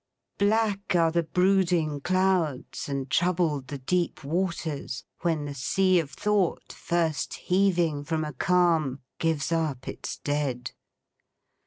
Black are the brooding clouds and troubled the deep waters, when the Sea of Thought, first heaving from a calm, gives up its Dead.